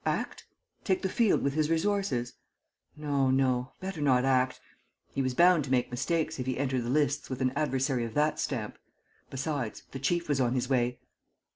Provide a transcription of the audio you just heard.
Act? Take the field with his resources? No, no ... better not act .... He was bound to make mistakes if he entered the lists with an adversary of that stamp. Besides, the chief was on his way!